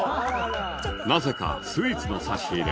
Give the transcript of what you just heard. なぜかスイーツの差し入れ